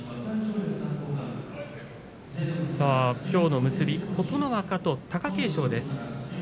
きょうの結び琴ノ若と貴景勝です。